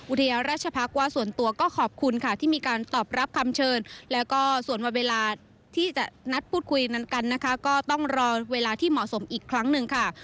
ราชพักษ์ว่าส่วนตัวก็ขอบคุณค่ะที่มีการตอบรับคำเชิญแล้วก็ส่วนวันเวลาที่จะนัดพูดคุยนั้นกันนะคะก็ต้องรอเวลาที่เหมาะสมอีกครั้งหนึ่งค่ะ